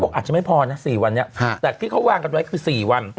อาจจะไม่พอนะ๔วันนี้แต่ที่เขาวางกันไว้คือ๔วัน